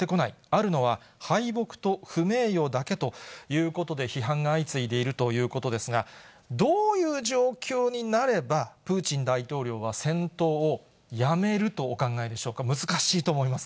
あるのは敗北と不名誉だけということで、批判が相次いでいるということですが、どういう状況になれば、プーチン大統領は戦闘をやめるとお考えでしょうか。